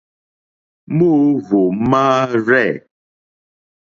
Móǃóhwò máárzɛ̂.